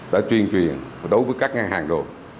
đã truyền truyền đối với các ngân hàng rồi